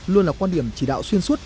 luôn là quan điểm chỉ đạo xuyên suốt